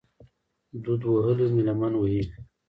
دود وهلې مې لمن وي